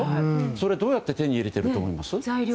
それをどうやって手に入れていると思いますか。